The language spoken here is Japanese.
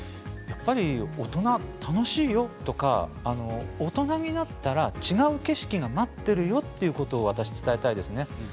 やっぱり大人は楽しいよとか大人になったら違う景色が待っているよっていうことを伝えたいですね。